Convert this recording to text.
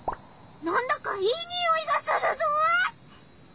なんだかいいにおいがするぞ！